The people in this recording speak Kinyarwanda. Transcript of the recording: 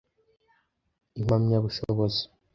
Impamyabushobozi